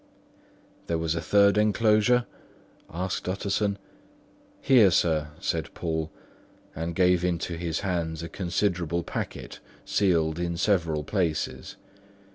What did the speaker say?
"There was a third enclosure?" asked Utterson. "Here, sir," said Poole, and gave into his hands a considerable packet sealed in several places.